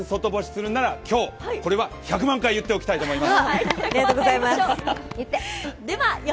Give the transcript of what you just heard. これは、１００万回言っておきたいと思います。